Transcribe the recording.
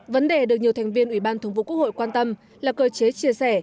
vấn đề được nhiều thành viên ủy ban thống vụ quốc hội quan tâm là cơ chế chia sẻ